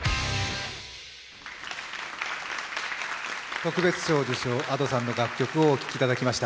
特別賞受賞Ａｄｏさんの楽曲をお聴きいただきました。